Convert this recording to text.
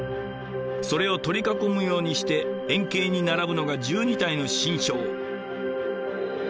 それを取り囲むようにして円形に並ぶのが１２体の神将。